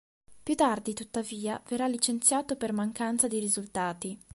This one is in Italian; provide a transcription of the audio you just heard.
Più tardi, tuttavia, verrà "licenziato per mancanza di risultati".